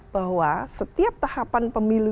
bahwa setiap tahapan pemilu